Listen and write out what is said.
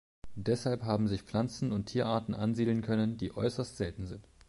Deshalb haben sich Pflanzen- und Tierarten ansiedeln können, die äußerst selten sind.